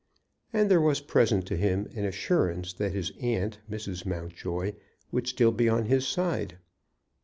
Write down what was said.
And there was present to him an assurance that his aunt, Mrs. Mountjoy, would still be on his side.